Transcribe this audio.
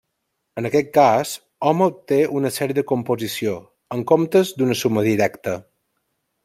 En aquest cas, hom obté una sèrie de composició, en comptes d'una suma directa.